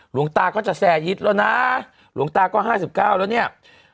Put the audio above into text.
หลวงตาก็จะแซยิดแล้วนะหลวงตาก็๕๙แล้วเนี่ย